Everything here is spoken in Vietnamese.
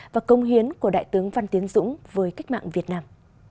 và công hiến của đại tướng văn tiến dũng với cách mạng việt nam